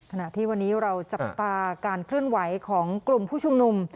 ขณะที่วันนี้เราจับตาการเคลื่อนไหวของกลุ่มผู้ชุมนุม